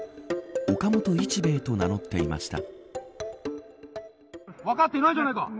岡本一兵衛と名乗っていました。